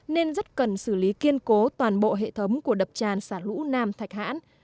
nên rất cần xử lý kiên cố toàn bộ hệ thống của đập tràn xả lũ nam thạch hãn